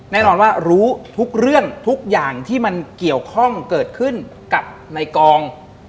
แน่นอนว่ารู้ทุกเรื่องทุกอย่างที่มันเกี่ยวข้องเกิดขึ้นกับในกอง